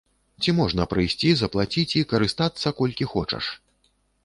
Ці можна прыйсці, заплаціць і карыстацца, колькі хочаш?